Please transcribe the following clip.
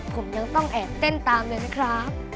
ผมยังต้องแอบเต้นตามเลยนะครับ